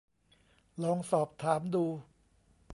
ลองสอบถามดู